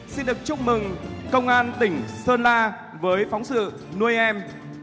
xin được chúc mừng công an tỉnh sơn la với phóng sự nuôi em